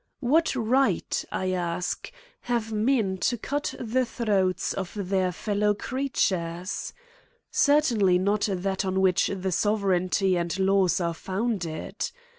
What right y I ask, have men to cut the throats of their fellow creatures? Certainly not that on which the sovereignty and laws are founded.